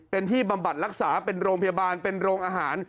เป็นที่บำบัดรักษาเป็นโรงพยาบาลเป็นโรงอาหาร